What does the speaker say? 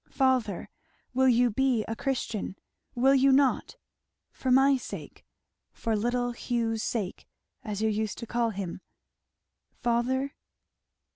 Father, will you be a Christian? will you not? for my sake for little Hugh's sake, as you used to call him? Father?